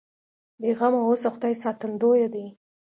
بې غمه اوسه خدای ساتندوی دی.